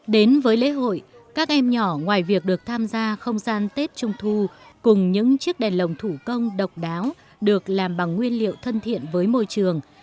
đến với lễ hội các em nhỏ ngoài việc được tham gia không gian tết trung thu cùng những chiếc đèn lồng thủ công độc đáo được làm bằng nguyên liệu thân thiện với môi trường